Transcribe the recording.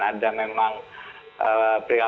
kita kalau hasil investigasi ini menunjukkan